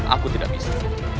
aku tidak bisa